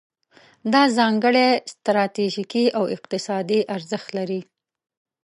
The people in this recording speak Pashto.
دا ځانګړی ستراتیژیکي او اقتصادي ارزښت لري.